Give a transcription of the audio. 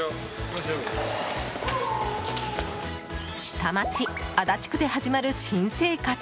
下町・足立区で始まる新生活。